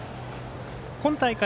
今大会